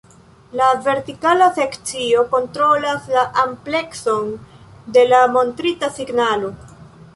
La vertikala sekcio kontrolas la amplekson de la montrita signalo.